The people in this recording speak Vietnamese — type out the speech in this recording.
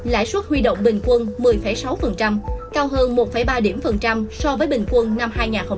lãi suất huy động bình quân một mươi sáu cao hơn một ba điểm phần trăm so với bình quân năm hai nghìn một mươi tám